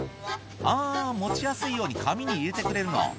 あー、持ちやすいように紙に入れてくれるの。